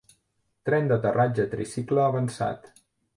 Tren d'aterratge tricicle avançat.